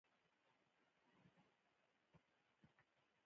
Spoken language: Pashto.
د دې پۀ مقابله کښې غېر موسمي فروټس